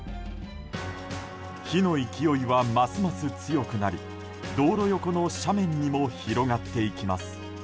火の勢いは、ますます強くなり道路横の斜面にも広がっていきます。